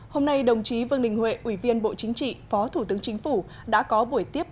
hôm nay đồng chí vương đình huệ ủy viên bộ chính trị phó thủ tướng chính phủ đã có buổi tiếp